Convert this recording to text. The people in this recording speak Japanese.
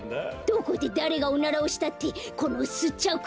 どこでだれがおならをしたってこのすっちゃう